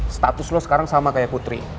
status lo sekarang sama kayak putri